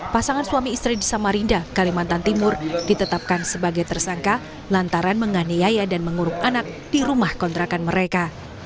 pasangan suami istri di samarinda kalimantan timur ditetapkan sebagai tersangka lantaran menganiaya dan menguruk anak di rumah kontrakan mereka